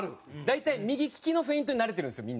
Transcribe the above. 大体右利きのフェイントに慣れてるんですよ